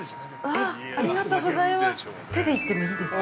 ◆ありがとうございます。